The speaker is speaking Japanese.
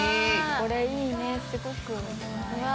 これいいねすごく。